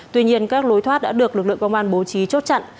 tuy nhiên các lối thoát đã được lực lượng công an bố trí chốt chặn